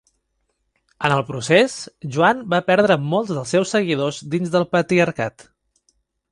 En el procés, Joan va perdre molts dels seus seguidors dins del patriarcat.